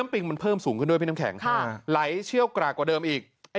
แล้วรอยแยกบนสะพานอย่างชัดเจนเลยก็คือน้๊ะ